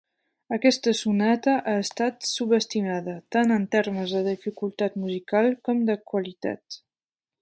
Aquesta sonata ha estat subestimada, tant en termes de dificultat musical com de qualitat.